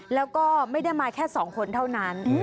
แล้วก็ไม่ได้มาแค่๒คนเท่านั้น